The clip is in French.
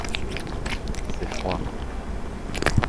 c'est froid.